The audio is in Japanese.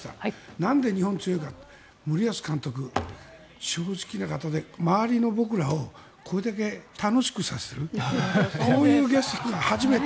なんで日本強いかって森保監督、正直な方で周りの僕らをこれだけ楽しくさせるこういうゲスト、初めて。